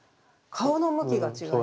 顔の向きが違う。